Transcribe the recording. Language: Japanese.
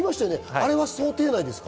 あれは想定内ですか？